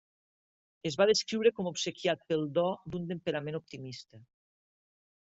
Es va descriure com obsequiat pel do d'un temperament optimista.